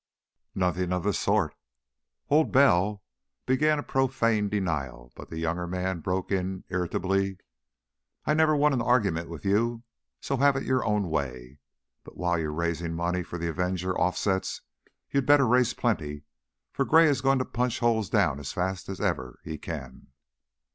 "Nothing of the sort." Old Bell began a profane denial, but the younger man broke in, irritably: "I've never won an argument with you, so have it your own way. But while you're raising money for the Avenger offsets, you'd better raise plenty, for Gray is going to punch holes down as fast as ever he can."